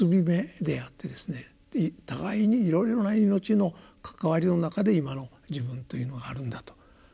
互いにいろいろな命の関わりの中で今の自分というのがあるんだと。